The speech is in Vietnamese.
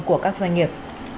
của các doanh nghiệp